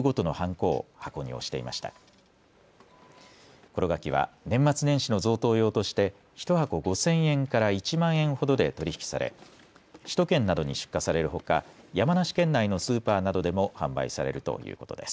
ころ柿は年末年始の贈答用として１箱５０００円から１万円ほどで取り引きされ首都圏などに出荷されるほか山梨県内のスーパーなどでも販売されるということです。